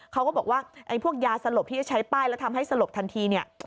เขาก็บอกว่าพวกยาสลบที่จะใช้ไปแล้วทำให้สลบทันที